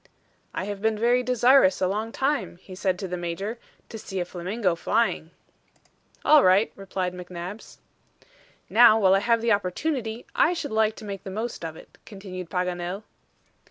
"I have been very desirous a long time," he said to the Major, "to see a flamingo flying." "All right," replied McNabbs. "Now while I have the opportunity, I should like to make the most of it," continued Paganel.